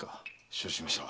承知しました。